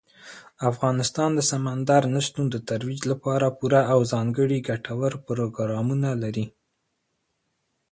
افغانستان د سمندر نه شتون د ترویج لپاره پوره او ځانګړي ګټور پروګرامونه لري.